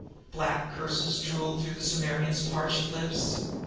Black curses drooled through the warrior's parched lips.